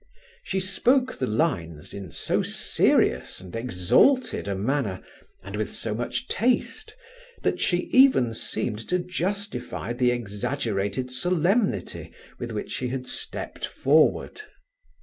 She spoke the lines in so serious and exalted a manner, and with so much taste, that she even seemed to justify the exaggerated solemnity with which she had stepped forward.